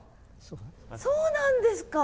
そうなんですか。